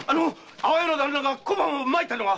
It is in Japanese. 安房屋の旦那が小判をまいたのは。